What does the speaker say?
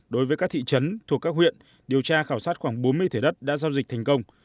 đối với các thị trấn thuộc các huyện điều tra khảo sát khoảng bốn mươi thửa đất đã giao dịch thành công